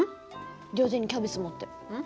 両手にキャベツ持って。